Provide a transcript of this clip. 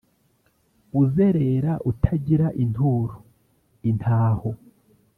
Uzerera utagira inturo(intaaho)